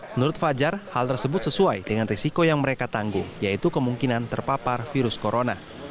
menurut fajar hal tersebut sesuai dengan risiko yang mereka tanggung yaitu kemungkinan terpapar virus corona